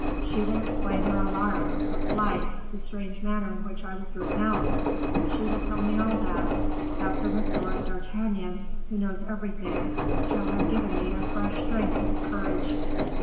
She will explain her alarm, her flight, the strange manner in which I was driven out; she will tell me all that after M. d'Artagnan, who knows everything, shall have given me a fresh strength and courage.